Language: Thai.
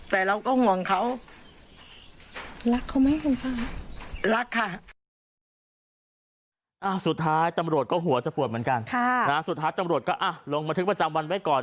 แต่เราก็ห่วงเขา